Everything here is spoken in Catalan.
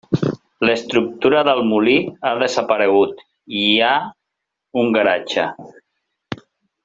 L'estructura del molí ha desaparegut i hi ha un garatge.